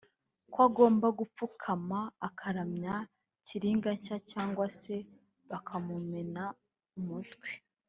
ko agomba gupfukama akaramya kalinga nshya cyangwa se bakamumena umutwe